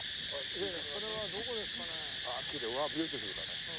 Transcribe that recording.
いやいやそれはどこですかね？